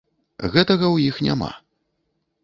Гэтага ў іх няма.